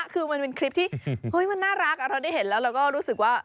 คือมันเป็นคลิปที่มันน่ารักเราได้เห็นแล้วเราก็รู้สึกว่า